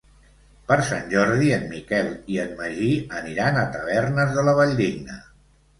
Per Sant Jordi en Miquel i en Magí aniran a Tavernes de la Valldigna.